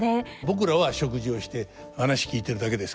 僕らは食事をして話聞いてるだけですけど。